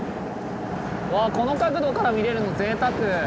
うわこの角度から見れるのぜいたく！